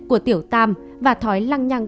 của tiểu tam và thói lăng nhăng